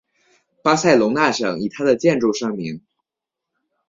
巴塞隆纳省以它的建筑盛名。